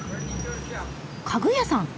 家具屋さん。